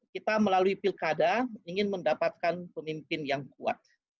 kita melalui pilkada ingin mendapatkan pemimpin yang kuat